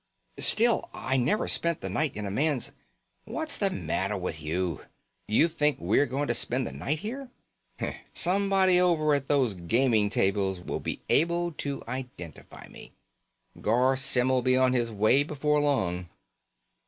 "Still, I never spent the night in a man's " "What's the matter with you? You think we're going to spend the night here? Somebody over at those gaming tables will be able to identify me. Garr Symm'll be on his way before long."